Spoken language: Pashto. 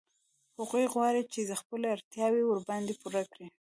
هغوی غواړي چې خپلې اړتیاوې ورباندې پوره کړي